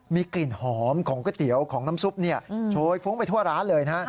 มีกลิ่นหอมของก๋วยเตี๋ยวของน้ำซุปโชยฟุ้งไปทั่วร้านเลยนะฮะ